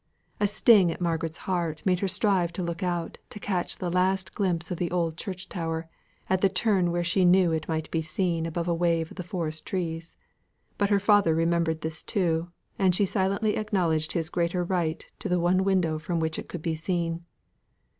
A sting at Margaret's heart made her strive to look out to catch the last glimpse of the old church tower at the turn where she knew it might be seen above a wave of the forest trees; but her father remembered this too, and she silently acknowledged his greater right to the one window from which it could be seen.